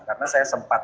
karena saya sempat